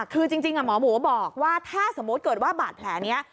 คือจริงหมอหมูบอกว่าถ้าสมมุติเกิดว่าบาดแผลนี้